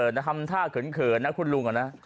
แต่ทำท่าเขินนะคุณลุงอะนะ